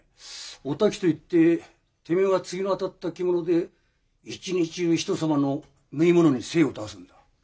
おたきといっててめえは継ぎの当たった着物で一日中人様の縫い物に精を出すんだ。